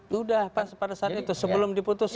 sudah pada saat itu sebelum diputus